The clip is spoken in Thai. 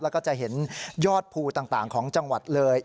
แล้วก็จะเห็นยอดภูต่างของจังหวัดเลย